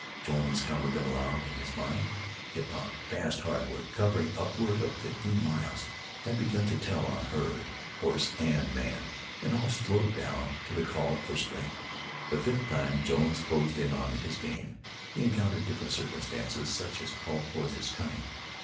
Jones counted them aloud, add in his mind, and kept on. Fast, hard work, covering upward of fifteen miles, had begun to tell on herd, horse and man, and all slowed down to the call for strength. The fifth time Jones closed in on his game, he encountered different circumstances such as called forth his cunning.